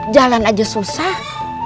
jalan aja susah